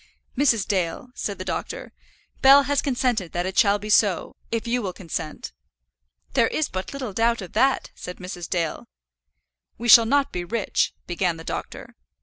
"Mrs. Dale," said the doctor, "Bell has consented that it shall be so, if you will consent." "There is but little doubt of that," said Mrs. Dale. "We shall not be rich " began the doctor.